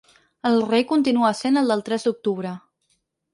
El rei continua essent el del tres d'octubre.